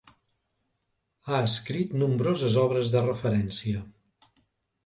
Ha escrit nombroses obres de referència.